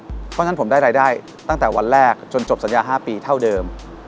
เพราะฉะนั้นผมได้รายได้ตั้งแต่วันแรกจนจบสัญญา๕ปีเท่าเดิม